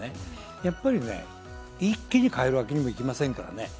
やっぱり一気に変えるわけにもいきませんからね。